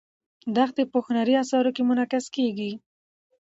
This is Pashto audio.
دښتې په هنري اثارو کې منعکس کېږي.